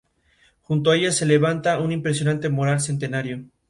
Continuó sus posgrados en las universidades de Alabama y Stanford en Estados Unidos.